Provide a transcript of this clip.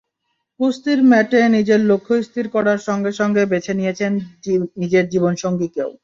কুস্তির ম্যাটে নিজের লক্ষ্য স্থির করার সঙ্গে সঙ্গে বেছে নিয়েছেন নিজের জীবনসঙ্গীকেও।